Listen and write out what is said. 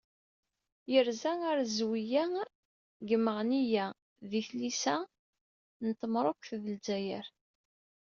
Yerza ɣer Zwiyya deg Meɣneyya di tlisa n Lmerruk d Lezzayer.